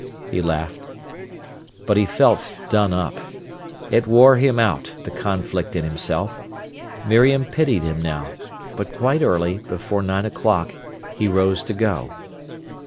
he laughed. But he felt done up. It wore him out, the conflict in himself. Miriam pitied him now. But quite early, before nine o'clock, he rose to go.